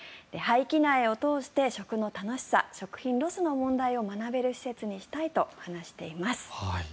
廃棄苗を通して食の楽しさ、食品ロスの問題を学べる施設にしたいと話しています。